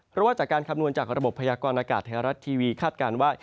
เพราะว่าจากการคำนวณจากระบบพยากรณากาศไทยรัฐทีวีคาดการณ์ว่า